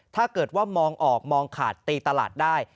ถ้าเกิดว่ามองออกมองขาดตีตลาดได้